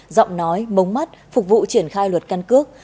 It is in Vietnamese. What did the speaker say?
giọng nói mống mắt phục vụ triển khai luật căn cước